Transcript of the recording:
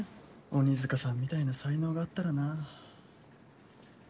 鬼塚さんのような才能があったらなあ。